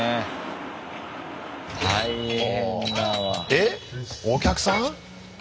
えっお客さん？